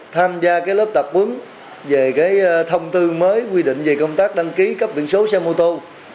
tham gia cái lớp tập quấn về cái thông tư mới quy định về công tác đăng ký cấp viện số xe mô tô